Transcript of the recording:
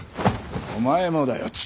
お前もだよ蔦！